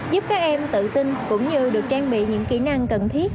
giúp các em tự tin cũng như được trang bị những kỹ năng cần thiết